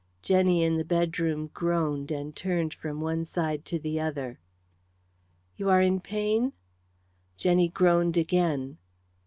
Jenny in the bedroom groaned and turned from one side to the other. "You are in pain?" Jenny groaned again.